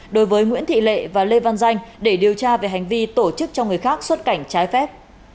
đối với nguyễn thị lệ và lê văn danh để điều tra về hành vi tổ chức cho người khác xuất cảnh trái phép